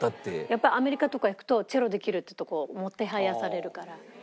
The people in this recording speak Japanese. やっぱりアメリカとか行くとチェロできるって言うともてはやされるから。